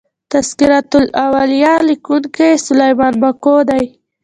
" تذکرة الاولیا" لیکونکی سلیمان ماکو دﺉ.